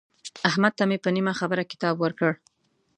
احمد ته مې په نیمه خبره کتاب ورکړ.